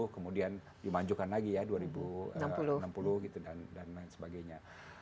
kemudian dimajukan lagi ya dua ribu enam puluh gitu dan lain sebagainya